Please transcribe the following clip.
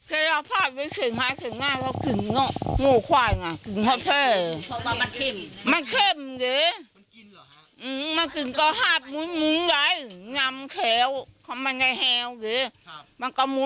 อื้อค่อยเห็นอยู่ยายงาก็กินโชคก็กินแพ้ก็กินเห็นมันเข้ม